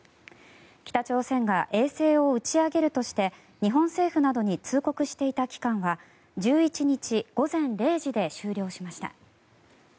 北朝鮮が衛星を打ち上げるとして日本政府などに通告していた期間は１１日午前０時で終了しました。